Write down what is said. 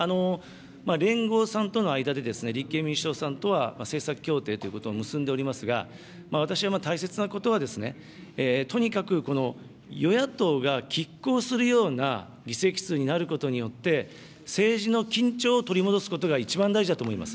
連合さんとの間で、立憲民主党さんとは、政策協定ということを結んでおりますが、私は、大切なことは、とにかく与野党がきっ抗するような議席数になることによって、政治の緊張を取り戻すことが一番大事だと思います。